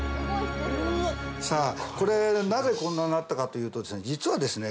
さぁこれなぜこんなになったかというと実はですね